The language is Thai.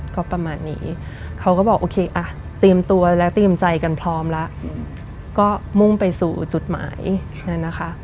ก็ประมาณนี้ของเขาก็บอกโอเคอะติดตัวและติดใจกันพร้อมและก็มุ่งไปสู่จุดหมายนะคะ